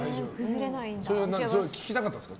それは聞きたかったんですか？